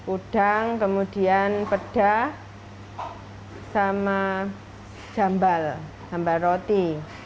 udang kemudian pedas sama jambal sambal roti